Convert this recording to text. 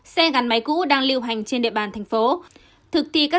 xe gắn máy cũ đang lưu hành trên địa bàn thành phố